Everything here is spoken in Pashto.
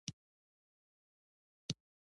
• اطمینان پیدا کوم، چې هر څه ته سمه کلمه کارول شوې ده.